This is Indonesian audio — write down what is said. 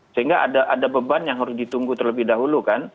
sehingga ada beban yang harus ditunggu terlebih dahulu kan